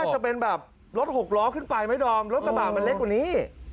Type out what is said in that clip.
จะเป็นแบบรถหกล้อขึ้นไปไหมดอมรถกระบาดมันเล็กกว่านี้